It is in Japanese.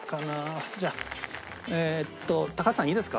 じゃあえーっと高橋さんいいですか？